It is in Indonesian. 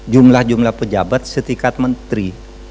jumlah jumlah pejabat setingkat menteri